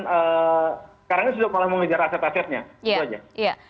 sekarang ini sudah malah mengejar aset asetnya